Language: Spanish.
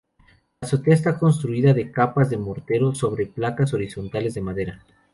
La azotea está construida de capas de mortero sobre placas horizontales de madera.